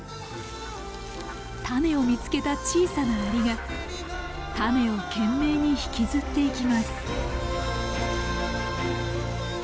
タネを見つけた小さなアリがタネを懸命に引きずっていきます。